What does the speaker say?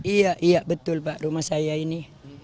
iya iya betul pak rumah saya ini